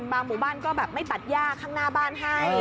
บางหมู่บ้านก็ไม่ตัดยากข้างหน้าบ้านให้